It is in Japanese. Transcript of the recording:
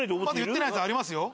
言ってないやつありますよ。